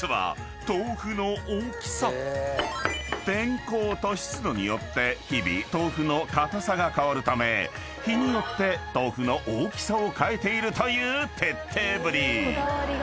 ［天候と湿度によって日々豆腐の硬さが変わるため日によって豆腐の大きさを変えているという徹底ぶり］